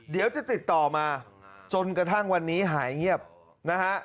เดี๋ยวจะติดต่อมาจนกระทั่งวันนี้หายเงียบนะฮะ